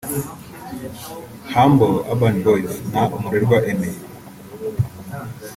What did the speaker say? Humble (Urban Boys) na Umurerwa Aimée